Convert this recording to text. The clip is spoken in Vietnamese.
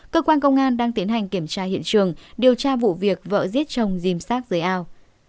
cơ quan công an đang tiến hành kiểm tra hiện trường điều tra vụ việc vợ giết chồng dìm sát dưới ao